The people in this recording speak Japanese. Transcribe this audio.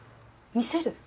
見せる？